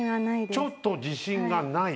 ちょっと自信がない？